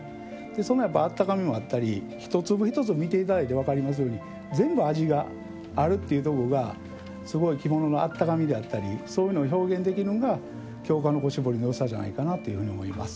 そのあったかみもあったり一粒一粒を見て頂いて分かりますように全部味があるっていうところがすごい着物のあったかみであったりそういうのを表現できるのが京鹿の子絞りのよさじゃないかなというふうに思います。